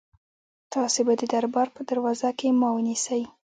تاسي به د دربار په دروازه کې ما ونیسئ.